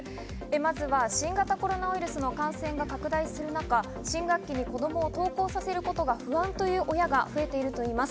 まずは新型コロナウイルスの感染が拡大する中、新学期に子供を登校させることが不安という親が増えているといいます。